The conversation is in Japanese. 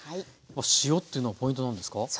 塩っていうのはポイントなんですか？